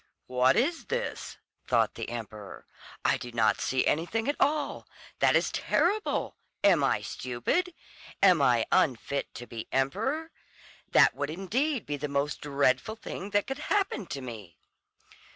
"What is this?" thought the emperor, "I do not see anything at all. That is terrible! Am I stupid? Am I unfit to be emperor? That would indeed be the most dreadful thing that could happen to me."